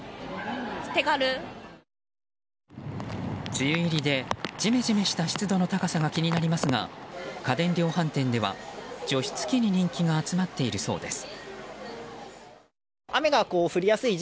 梅雨入りでジメジメした湿度の高さが気になりますが家電量販店では、除湿器に人気が集まっているそうです。